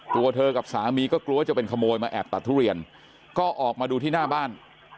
ตัวเธอกับสามีก็กลัวจะเป็นขโมยมาแอบตัดทุเรียนก็ออกมาดูที่หน้าบ้าน